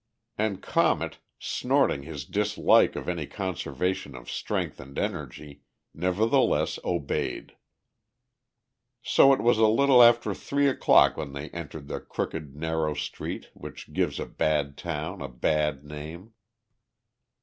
And Comet, snorting his dislike of any conservation of strength and energy, nevertheless obeyed. So it was a little after three o'clock when they entered the crooked, narrow street which gives a bad town a bad name.